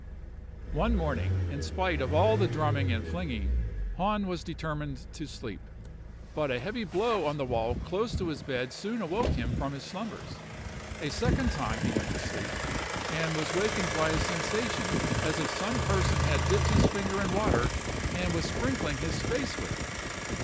"One morning, in spite of all the drumming and flinging, Hahn was determined to sleep; but a heavy blow on the wall close to his bed soon awoke him from his slumbers. A second time he went to sleep, and was awaked by a sensation as if some person had dipped his finger in water and was sprinkling his face with it.